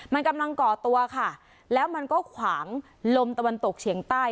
มันกำลังก่อตัวค่ะแล้วมันก็ขวางลมตะวันตกเฉียงใต้